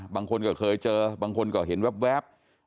บางคนก็เคยเจอบางคนก็เห็นแว๊บ